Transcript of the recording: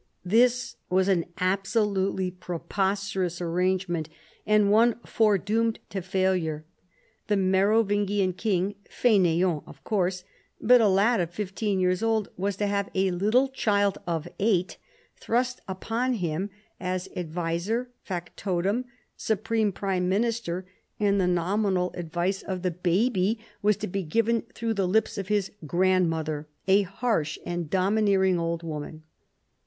This was an absolutely preposterous arrangement and one foredoomed to^ failure. The Merovingian king, faineant of course, but a lad of fifteen years old, was to have a little child of eight thrust upon him as adviser, factotum, supreme prime minister, and the nominal advice of 4 50 CHARLEMAGNE. the baby was to be given through the lips of his grandmother, a harsh and domineering old woman.